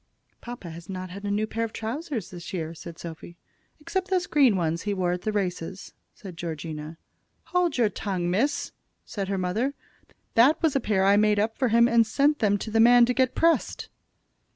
"Papa has not had a new pair of trousers this year," said Sophy. "Except those green ones he wore at the races," said Georgina. "Hold your tongue, miss!" said her mother. "That was a pair I made up for him and sent them to the man to get pressed."